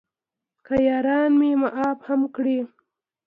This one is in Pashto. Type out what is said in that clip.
که یاران مې معاف هم کړي.